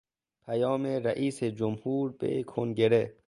پیام رئیس جمهور به کنگره